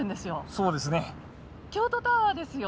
そうですね。